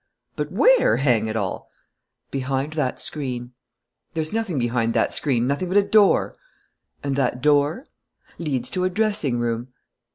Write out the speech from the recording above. "But where, hang it all?" "Behind that screen." "There's nothing behind that screen, nothing but a door." "And that door ?" "Leads to a dressing room."